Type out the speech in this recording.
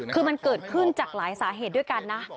คือมันเกิดขึ้นจากหลายสาเหตุด้วยกันนะ